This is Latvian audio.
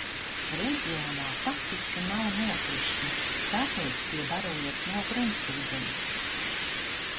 Reģionā faktiski nav nokrišņu, tāpēc tie barojas no gruntsūdens.